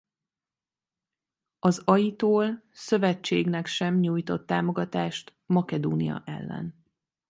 Az aitól szövetségnek sem nyújtott támogatást Makedónia ellen.